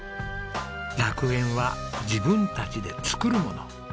「楽園は自分たちで作るもの」。